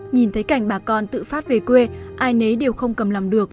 nhìn thấy cảnh bà con tự phát về quê ai nấy đều không cầm làm được